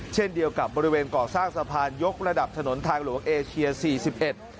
เช่นเดียวกับบริเวณก่อสร้างสะพานยกระดับถนนทางหลวงเอเชียสี่สิบเอ็ด